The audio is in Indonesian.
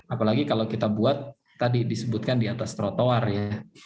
apalagi kalau kita buat tadi disebutkan di atas trotoar ya